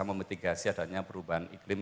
memetigasi adanya perubahan iklim